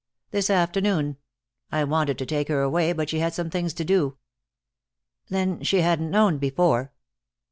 "This afternoon. I wanted to take her away, but she had some things to do." "Then she hadn't known before?"